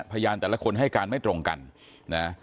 พยานแต่ละคนให้การไม่ตรงกันนะ